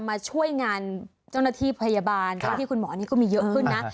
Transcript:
มาช่วยงานเจ้าหน้าที่พยาบาลเจ้าหน้าที่คุณหมอนี่ก็มีเยอะขึ้นนะ